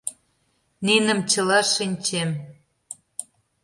Ниным чыла шинчем.